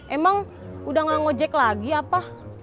emang udah gak ngejek lagi apa